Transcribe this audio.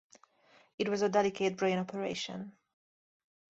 It was a delicate brain operation.